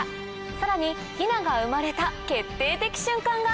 さらにヒナが生まれた決定的瞬間が！